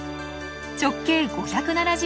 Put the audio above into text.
直径５７０ｍ。